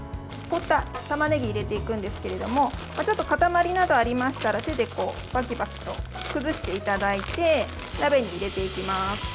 凍ったたまねぎを入れていくんですがちょっと固まりなどありましたら手でバキバキと崩していただいて鍋に入れていきます。